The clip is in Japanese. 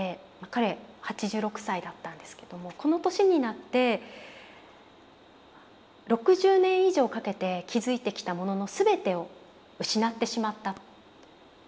彼８６歳だったんですけども「この年になって６０年以上かけて築いてきたものの全てを失ってしまった」と。